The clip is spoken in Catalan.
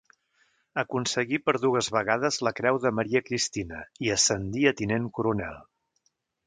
Aconseguí per dues vegades la creu de Maria Cristina, i ascendí a tinent coronel.